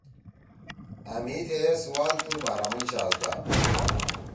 أ مھی تھیئے سوال تُھو بہرامند شہزدا